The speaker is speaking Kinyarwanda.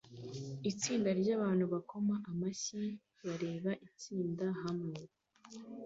Itsinda ryabantu bakoma amashyi bareba itsinda hamwe